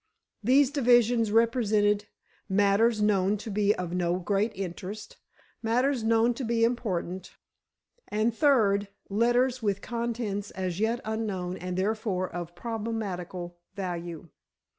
These divisions represented matters known to be of no great interest; matters known to be important; and, third, letters with contents as yet unknown and therefore of problematical value.